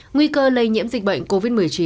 nguy cơ lây nhiễm dịch bệnh covid một mươi chín